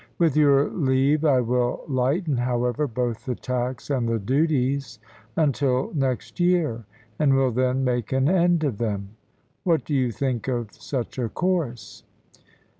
With your leave I will lighten, however, both the tax and the duties until next year, and will then make an end of them. What do you think of such a course?"